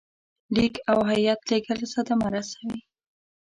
لیک او هیات لېږل صدمه رسوي.